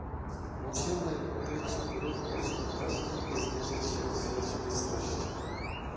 Musimy być również odważni i zmierzyć się z rzeczywistością